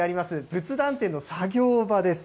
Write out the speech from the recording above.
仏壇店の作業場です。